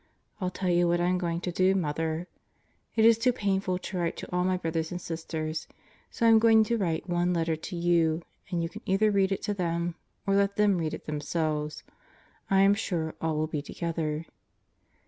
Ill tell you what I am going to do Mother: It is too painful to write to all my brothers and sisters, so I'm going to write one letter to you, and you can either read it to them or let them read it themselves. I am sure all will be together.